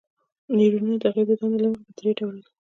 نیورونونه د هغوی د دندې له مخې په درې ډوله دي.